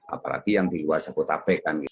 apalagi yang di luar sabutabek kan